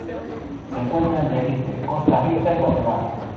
Se encuentra en Belice, Costa Rica y Guatemala.